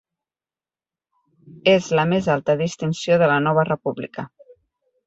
És la més alta distinció de la nova República.